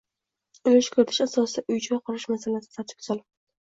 Ulush kiritish asosida uy-joy qurish masalasi tartibga solinmoqda